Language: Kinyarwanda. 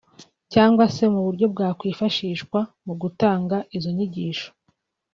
cyangwa se uburyo bwakwifashishwa mu gutanga izo nyigisho